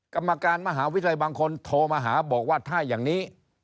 กรรมการมหาวิทยาลัยบางคนโทรมาหาบอกว่าถ้าอย่างนี้